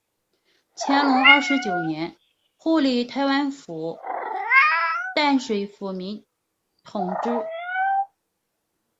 乾隆二十九年护理台湾府淡水抚民同知。